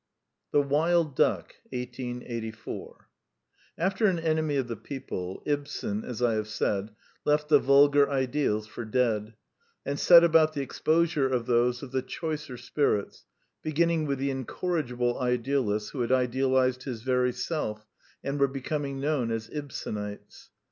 The Wild Duck 1884 After An Enemy of the People, Ibsen, as I have said, left the vulgar ideals for dead, and set about the exposure of those of the choicer spirits, beginning with the incorrigible idealists who had idealized his very self, and were becoming known as Ibsenites.